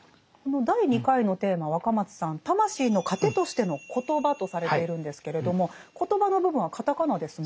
第２回のテーマ若松さん「魂の糧としてのコトバ」とされているんですけれども「コトバ」の部分はカタカナですね。